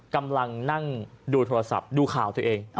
กำลังนั่งดูโทรศัพท์ดูข่าวตัวเอง